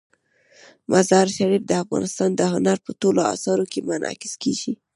مزارشریف د افغانستان د هنر په ټولو اثارو کې منعکس کېږي.